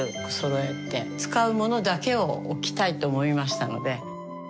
使うものだけを置きたいと思いましたので。